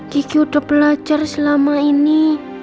gigi udah belajar selama ini